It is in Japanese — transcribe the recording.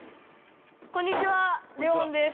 こんにちはレウォンです。